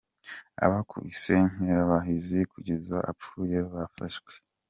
Abakubise Nkerabahizi kugeza apfuye bafashwe